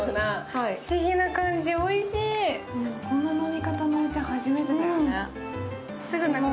こんな飲み方のお茶、初めてだよね。